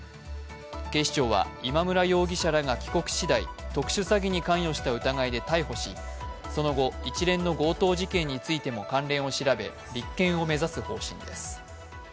警視庁は、今村容疑者らが帰国しだい特殊詐欺に関与した疑いで逮捕し、その後、一連の強盗事件についても関連を調べ立件を目指す方針です。